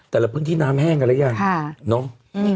แต่เราเพิ่งที่น้ำแห้งกันอะไรอย่าง